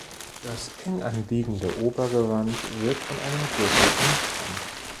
Das eng anliegende Obergewand wird von einem Gürtel umspannt.